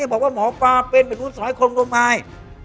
นี่บอกว่าหมอปาเป็นเป็นวุฒิสวยคนโรงงาน